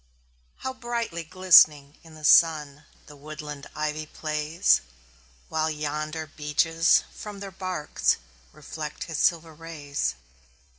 How brightly glistening in the sun The woodland ivy plays! While yonder beeches from their barks Reflect his silver rays.